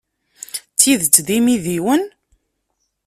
D tidet d imidiwen?